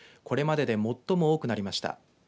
これまでで最も多くなりました。